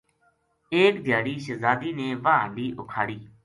ایک دھیاڑی شہزادی نے واہ ہنڈی اُکھاڑی